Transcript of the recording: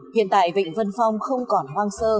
hiện tại vịnh vân phong không còn hoang sơ